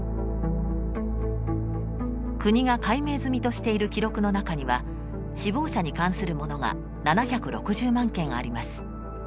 国が解明済みとしている記録の中には死亡者に関するものが７６０万件あります。